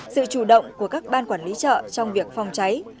sự chủ động của các ban quản lý chợ trong việc phòng cháy